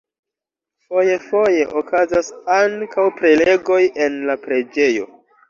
Foje-foje okazas ankaŭ prelegoj en la preĝejo.